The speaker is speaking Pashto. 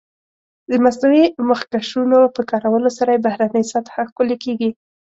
د مصنوعي مخکشونو په کارولو سره یې بهرنۍ سطح ښکلې کېږي.